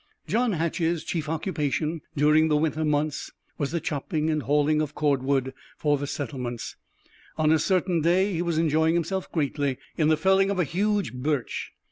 John Hatch's chief occupation, during the winter months, was the chopping and hauling of cord wood for the settlements. On a certain day he was enjoying himself greatly in the felling of a huge birch.